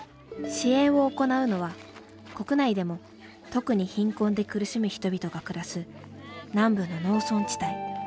支援を行うのは国内でも特に貧困で苦しむ人々が暮らす南部の農村地帯。